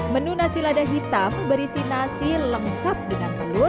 menu nasi lada hitam berisi nasi lengkap dengan telur